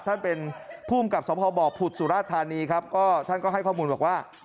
ท่านเป็นภูมิกับสมภาพบ่อผุดสุราธานีครับก็ท่านก็ให้ข้อมูลบอกว่า